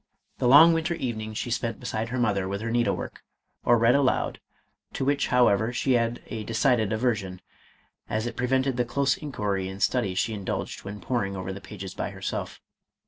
The long winter evenings she spent beside her mother with her needlework, or read aloud, to which however she had a decided aversion, as it prevented the close inquiry and study she indulged when poring over the pages by herself.